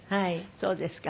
そうですか。